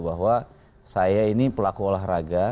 bahwa saya ini pelaku olahraga